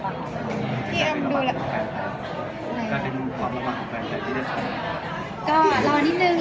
อยากดูทอมตำรวจของแฟนแซมที่ได้ใช้